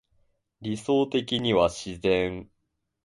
理想的には自然